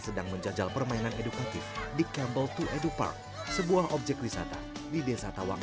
sedang menjajal permainan edukatif di campbell to edu park sebuah objek wisata di desa tawang